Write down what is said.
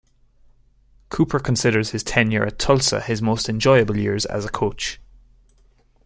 Cooper considers his tenure at Tulsa his "most enjoyable years as a coach".